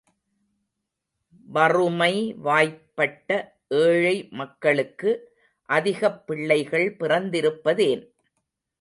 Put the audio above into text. வறுமை வாய்ப்பட்ட ஏழை மக்களுக்கு அதிகப் பிள்ளைகள் பிறந்திருப்பதேன்?